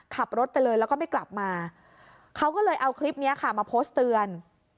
ขับรถไปเลยแล้วก็ไม่กลับมาเขาก็เลยเอาคลิปนี้ค่ะมาโพสต์เตือน